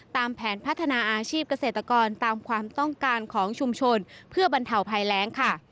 ตามแผนพัฒนาอาชีพเกษตรกรตามความต้องการของชุมชนเพื่อบรรเทาภัยแรงค่ะ